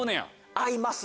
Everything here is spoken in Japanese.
合います。